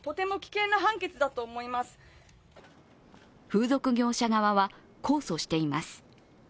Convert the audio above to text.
風俗業者側は控訴しています。